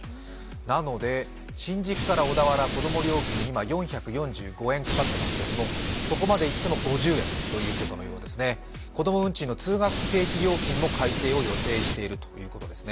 なので、新宿から小田原子供料金、今４４５円かかっているんですがそこまで行っても５０円ということのようですね。子供運賃の定額通学料金も改定を検討しているということです。